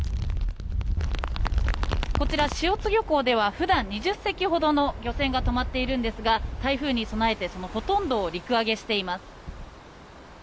こちらの漁港では普段２０隻ほどの漁船が止まっているんですが台風に備えてほとんどが陸揚げしています。